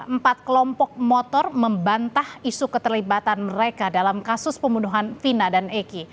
empat kelompok motor membantah isu keterlibatan mereka dalam kasus pembunuhan vina dan egy